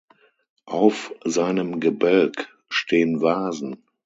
Auf seinem Gebälk stehen Vasen.